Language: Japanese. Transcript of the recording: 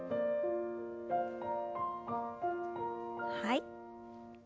はい。